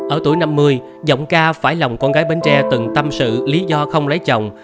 ở tuổi năm mươi giọng ca phải lòng con gái bến tre từng tâm sự lý do không lấy chồng